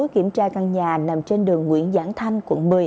kiểm tra căn nhà nằm trên đường nguyễn giảng thanh quận một mươi